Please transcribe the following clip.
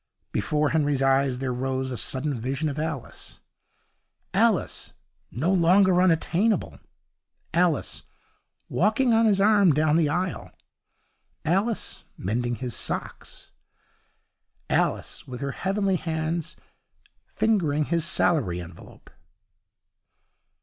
Before Henry's eyes there rose a sudden vision of Alice: Alice no longer unattainable; Alice walking on his arm down the aisle; Alice mending his socks; Alice with her heavenly hands fingering his salary envelope.